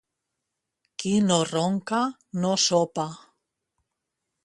Qui no ronca, no sopa.